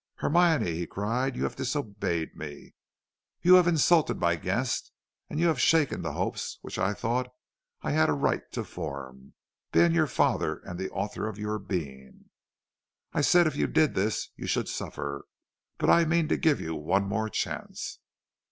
"'Hermione,' he cried, 'you have disobeyed me. You have insulted my guest, and you have shaken the hopes which I thought I had a right to form, being your father and the author of your being. I said if you did this you should suffer, but I mean to give you one more chance.